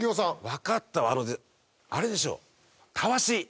分かったあれでしょ。